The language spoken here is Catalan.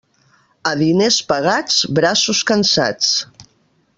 A diners pagats, braços cansats.